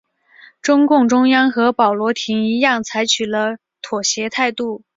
中共中央和鲍罗廷一样采取了妥协态度。